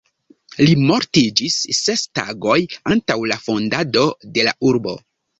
Li mortiĝis ses tagoj antaŭ la fondado de la urbo.